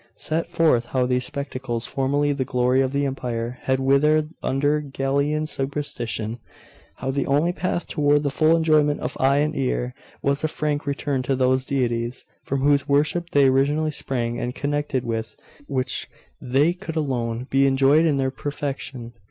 Set forth how these spectacles, formerly the glory of the empire, had withered under Galilaean superstition.... How the only path toward the full enjoyment of eye and ear was a frank return to those deities, from whose worship they originally sprang, and connected with which they could alone be enjoyed in their perfection....